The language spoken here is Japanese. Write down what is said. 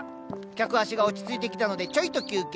客足が落ち着いてきたのでちょいと休憩。